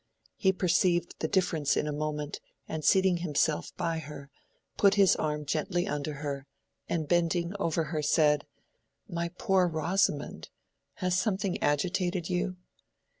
He perceived the difference in a moment, and seating himself by her put his arm gently under her, and bending over her said, "My poor Rosamond! has something agitated you?"